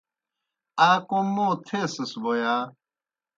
آ کوْم موں تھیسِس بوْ یا؟